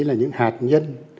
là những hạt nhân